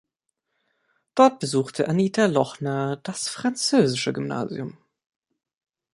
Dort besuchte Anita Lochner das Französische Gymnasium.